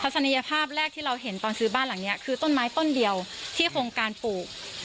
ศัลยภาพแรกที่เราเห็นตอนซื้อบ้านหลังนี้คือต้นไม้ต้นเดียวที่โครงการปลูก